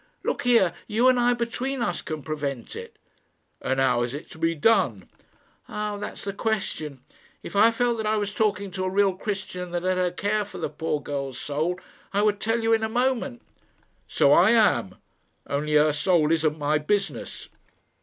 Look here; you and I between us can prevent it." "And how is it to be done?" "Ah! that's the question. If I felt that I was talking to a real Christian that had a care for the poor girl's soul, I would tell you in a moment." "So I am; only her soul isn't my business."